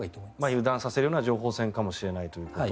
油断させるための情報戦かもしれないと。